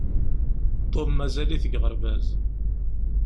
Tom mazal-it deg uɣerbaz.